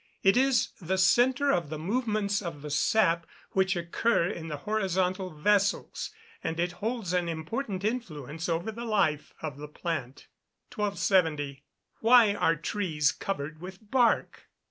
It is the centre of the movements of the sap which occur in the horizontal vessels; and it holds an important influence over the life of the plant. 1270. _Why are trees covered with bark?